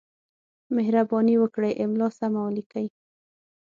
مهرباني وکړئ! املا سمه ولیکئ!